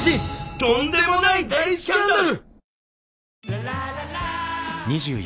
「とんでもない大スキャンダル！」